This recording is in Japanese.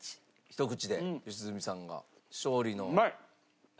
ひと口で良純さんが勝利の。